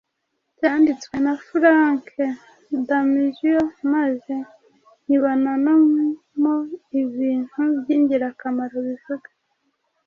cyanditwe na Frank Damizio maze nkibona mo ibintu byingirakamaro bivuga